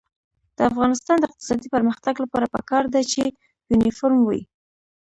د افغانستان د اقتصادي پرمختګ لپاره پکار ده چې یونیفورم وي.